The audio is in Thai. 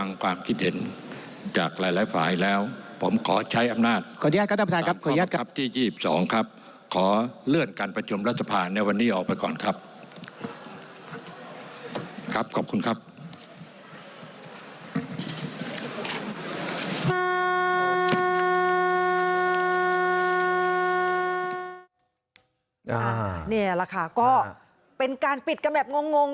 นี่แหละค่ะก็เป็นการปิดกันแบบงง